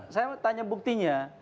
saya tanya buktinya